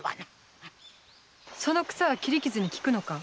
その草は切り傷に効くのか？